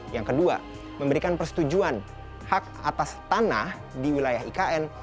yang kedua memberikan persetujuan hak atas tanah di wilayah ikn